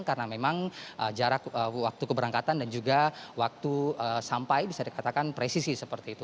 karena memang jarak waktu keberangkatan dan juga waktu sampai bisa dikatakan presisi seperti itu